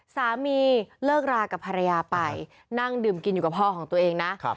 เลิกรากับภรรยาไปนั่งดื่มกินอยู่กับพ่อของตัวเองนะ